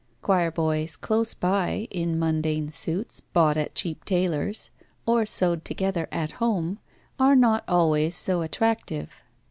Choir boys close by in mundane suits, bought at a cheap tailor's, or sewed together at home, are not always so attractive.